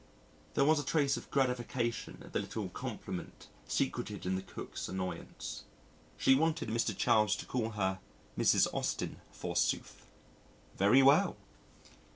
There was a trace of gratification at the little compliment secreted in the Cook's annoyance. She wanted Mr. Charles to call her Mrs. Austin, forsooth. Very well!